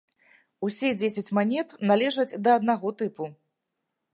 Усе дзесяць манет належаць да аднаго тыпу.